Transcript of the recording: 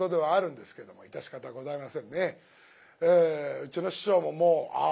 うちの師匠ももうああ